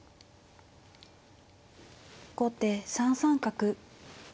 後手３三角。